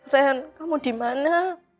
ren kamu dimana